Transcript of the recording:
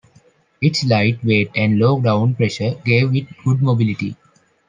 Its light weight and low ground pressure gave it good mobility.